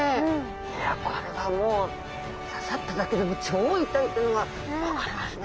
いやこれはもう刺さっただけでも超痛いっていうのが分かりますね。